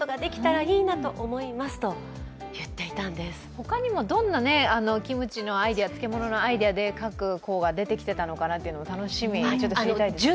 他にもどんなキムチのアイデア、漬物のアイデアで各校が出てきていたのかなというのも知りたいですね。